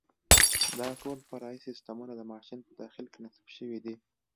دا ټول فرعي سیسټمونه د ماشین په داخل کې نصب شوي دي.